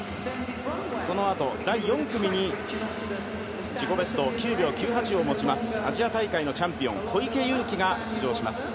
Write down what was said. その後、第４組に自己ベスト９秒９８を持ちますアジア大会のチャンピオン・小池祐貴が出場します。